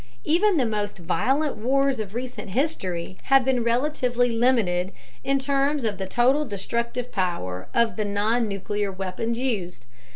Even the most violent wars of recent history have been relatively limited in terms of the total destructive power of the non nuclear weapons used.